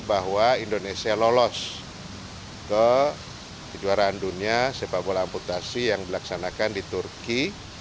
bahwa indonesia lolos ke kejuaraan dunia sepak bola amputasi yang dilaksanakan di turki